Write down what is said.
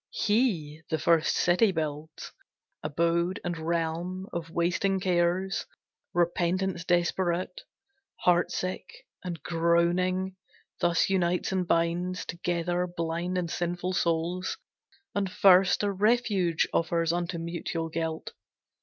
He the first city builds, abode and realm Of wasting cares; repentance desperate, Heart sick, and groaning, thus unites and binds Together blind and sinful souls, and first A refuge offers unto mutual guilt.